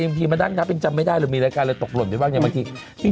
อีกทีมาดั้งครับยังจำไม่ได้หรือมีรายการเลยตกหล่นไปบ้างเนี่ยบางที